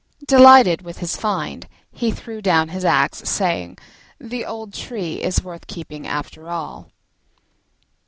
Delighted with his find he threw down his axe, saying, "The old tree is worth keeping after all."